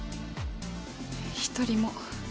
一人も。